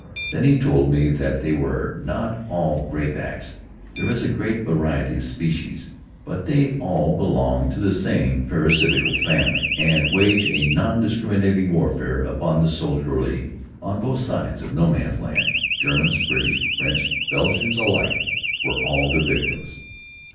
Then he told me that they were not all graybacks. There is a great variety of species, but they all belong to the same parasitical family, and wage a non discriminating warfare upon the soldiery on both sides of No man's Land. Germans, British, French, Belgians alike were their victims.